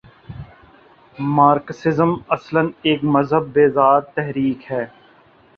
Marxism اصلا ایک مذہب بیزار تحریک ہے۔